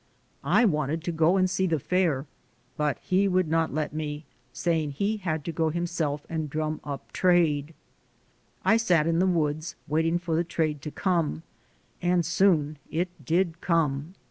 I wanted to go and see the fair, but he would not let me, saying he had to go himself and drum up trade. I sat in the woods waiting for the trade to come, and soon it did come.